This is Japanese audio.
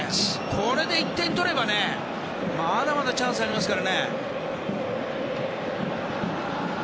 これで１点取ればねまだまだチャンスありますから。